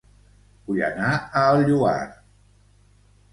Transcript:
Vull anar a El Lloar